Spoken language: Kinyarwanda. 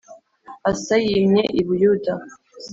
Asa yimye i Buyuda